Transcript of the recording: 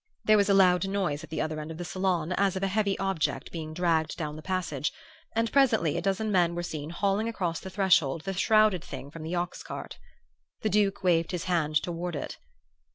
"There was a loud noise at the other end of the saloon, as of a heavy object being dragged down the passage; and presently a dozen men were seen haling across the threshold the shrouded thing from the oxcart. The Duke waved his hand toward it.